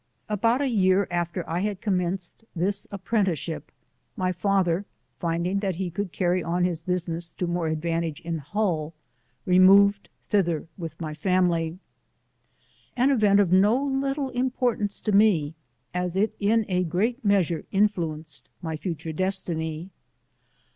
B 3 10 Aboata year after I had commenced this appren tieship, my father finding that he could carry oq his business to more advantage in Hull, removed thither with his family. An event of no little importance to me, as it in a great measure influ enced my future destiny.